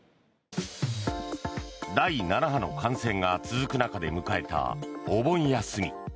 第７波の感染が続く中で迎えたお盆休み。